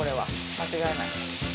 間違いない。